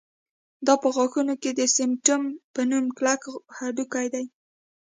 دا په غاښونو کې د سېمنټوم په نوم کلک هډوکی دی